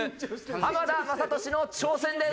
浜田雅功の挑戦です！